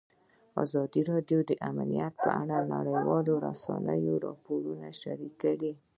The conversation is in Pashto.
ازادي راډیو د امنیت په اړه د نړیوالو رسنیو راپورونه شریک کړي.